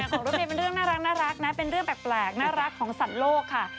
ของรถเมย์เป็นเรื่องน่ารักนะเป็นเรื่องแปลกน่ารักของสัตว์โลกค่ะ